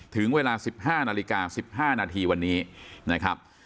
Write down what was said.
ถึงเวลา๑๕นาฬิกา๑๕นาทีวันนี้